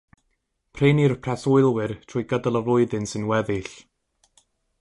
Prin yw'r preswylwyr trwy gydol y flwyddyn sy'n weddill.